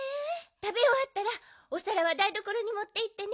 たべおわったらおさらはだいどころにもっていってね。